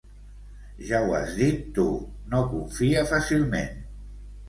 Ja ho has dit tu, no confia fàcilment.